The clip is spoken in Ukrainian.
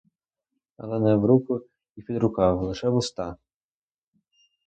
Але не в руку і під рукав — лише в уста.